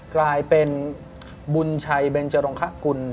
กลายเป็นบุญชัยเบนจรงคกุล